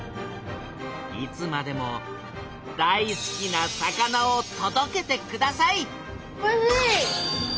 いつまでも大好きな魚をとどけてくださいおいＣ！